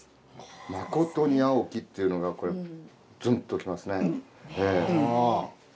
「まことに青き」っていうのがこれズンと来ますね。